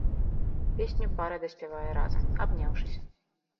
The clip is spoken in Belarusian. Песню пара даспявае разам, абняўшыся.